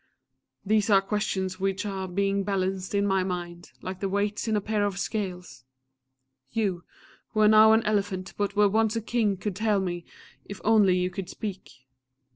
These are questions which are being balanced in my mind, like the weights in a pair of scales! You, who are now an elephant, but were once a King could tell me, if only you could speak.